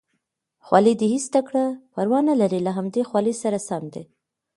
خولۍ دې ایسته کړه، پروا نه لري له همدې خولۍ سره سم دی.